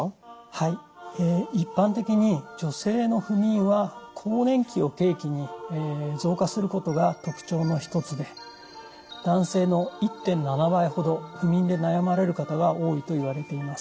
はい一般的に女性の不眠は更年期を契機に増加することが特徴の一つで男性の１．７倍ほど不眠で悩まれる方が多いといわれています。